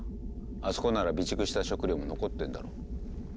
あそこなら備蓄した食料も残ってんだろ。